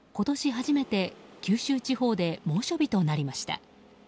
初めて九州地方で猛暑日となりました。